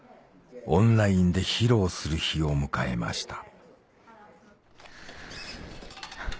オンラインで披露する日を迎えました